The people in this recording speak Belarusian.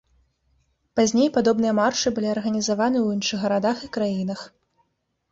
Пазней падобныя маршы былі арганізаваны ў іншых гарадах і краінах.